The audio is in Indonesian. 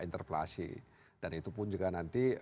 interpelasi dan itu pun juga nanti